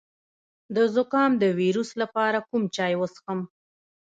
د زکام د ویروس لپاره کوم چای وڅښم؟